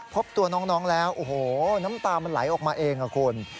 พบตัวน้องแล้วโอ้โหน้ำตามันไหลออกมาเองค่ะคุณ